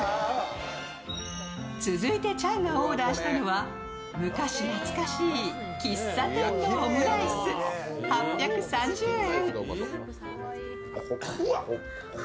続いてチャンがオーダーしたのは昔懐かしい喫茶店のオムライス８３０円。